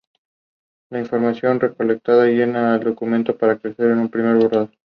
La información recolectada llena el documento para crear un primer borrador.